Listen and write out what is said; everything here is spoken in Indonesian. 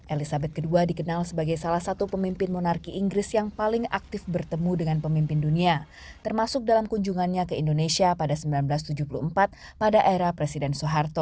elizabeth ii dikenal sebagai salah satu pemimpin monarki inggris yang paling aktif bertemu dengan pemimpin dunia termasuk dalam kunjungannya ke indonesia pada seribu sembilan ratus tujuh puluh empat pada era presiden soeharto